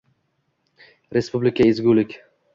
Respublika – zzgulik